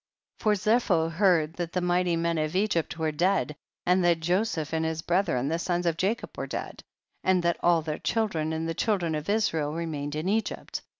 8. For Zepho heard that the mighty men of Egypt were dead and that Joseph and his brethren the sons of Jacob were dead, and that all their children the children of Israel re mained in Egypt.